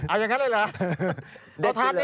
เอาอย่างนั้นเลยเหรอ